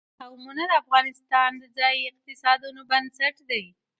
قومونه د افغانستان د ځایي اقتصادونو بنسټ دی.